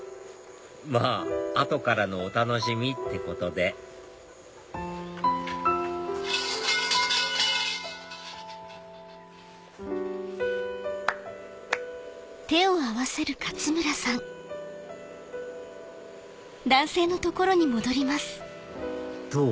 まぁ後からのお楽しみってことでどう？